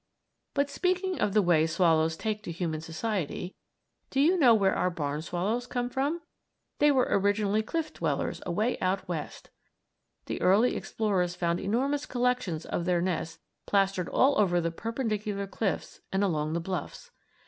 But, speaking of the way swallows take to human society, do you know where our barn swallows came from? They were originally cliff dwellers away out West. The early explorers found enormous collections of their nests plastered all over the perpendicular cliffs and along the bluffs.